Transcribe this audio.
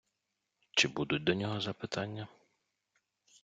Чи будуть до нього запитання?